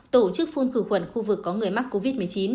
tổ chức phun khử khuẩn khu vực có người mắc covid một mươi chín